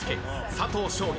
佐藤勝利。